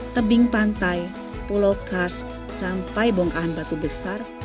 tebing pantai pulau kars sampai bongkahan batu besar